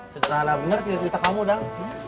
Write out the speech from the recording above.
secara bener sih cerita kamu dang